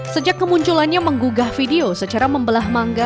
sejak kemunculannya menggugah video secara membelah mangga